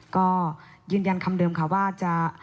ก็ยืนยันคำเดิมค่ะว่าจะ